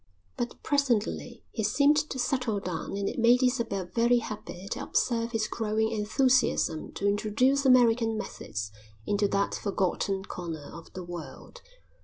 "_ But presently he seemed to settle down and it made Isabel very happy to observe his growing enthusiasm to introduce American methods into that forgotten corner of the world.